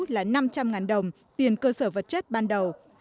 là năm trăm linh đồng tiền cơ sở vật chất ban đầu